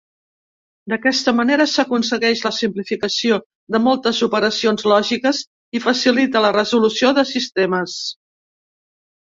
D'aquesta manera s'aconsegueix la simplificació de moltes operacions lògiques i facilita la resolució de sistemes.